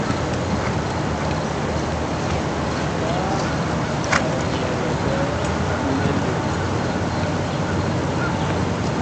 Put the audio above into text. Paam ɛg nyɛɛ liɓɛ li loh.